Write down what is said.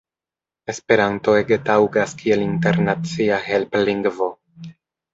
Esperanto ege taŭgas kiel internacia helplingvo.